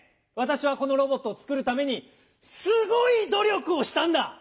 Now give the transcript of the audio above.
わたしはこのロボットをつくるためにすごいど力をしたんだ！